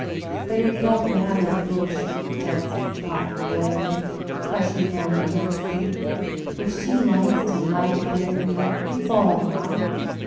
"But it don't matter a bit if she does," he thought loyally, crushing down the jealousy. "If she likes to like it better than me, it's all right."